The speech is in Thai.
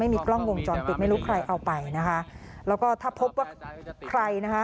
ไม่มีกล้องวงจรปิดไม่รู้ใครเอาไปนะคะแล้วก็ถ้าพบว่าใครนะคะ